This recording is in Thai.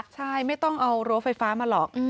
ใช่ไม่ต้องเอารั้วไฟฟ้ามาหรอก